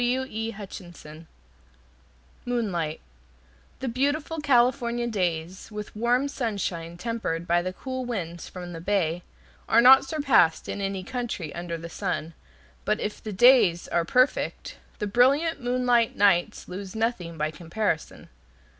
Moonlight The beautiful California days, with warm sunshine tempered by the cool winds from the bay, are not surpassed in any country under the sun. But if the days are perfect, the brilliant moonlight nights lose nothing by comparison.